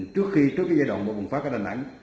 trước khi trước cái giai đoạn bộ bùng phát ở đà nẵng